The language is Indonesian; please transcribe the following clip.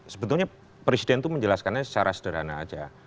sebetulnya presiden itu menjelaskannya secara sederhana aja